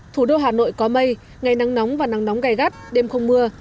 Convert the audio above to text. thủ đô hà nội có mây ngày nắng nóng và nắng nóng gai gắt đêm không mưa